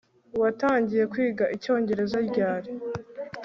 Watangiye kwiga icyongereza ryari